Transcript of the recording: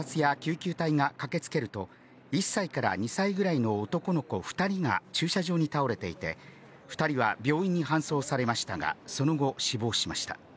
警察や救急隊が駆けつけると、１歳から２歳ぐらいの男の子２人が駐車場に倒れていて、２人は病院に搬送されましたが、その後、死亡しました。